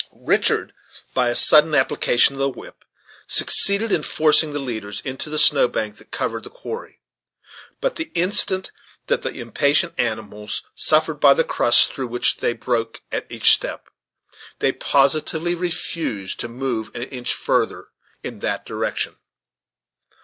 Richard, by a sudden application of the whip, succeeded in forcing the leaders into the snow bank that covered the quarry; but the instant that the impatient animals suffered by the crust, through which they broke at each step, they positively refused to move an inch farther in that direction.